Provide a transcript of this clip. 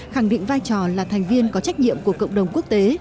khẳng định vai trò là thành viên có trách nhiệm của cộng đồng quốc tế